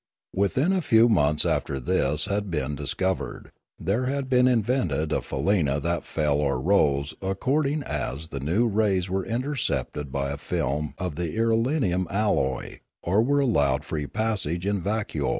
Within a few months after this had been dis covered, there had been invented a faleena that fell or rose according as the new rays were intercepted by a film of the irelium alloy or were allowed free passage in vacuo.